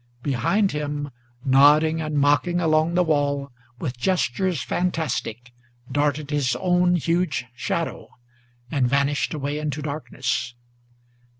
Behind him, Nodding and mocking along the wall, with gestures fantastic, Darted his own huge shadow, and vanished away into darkness.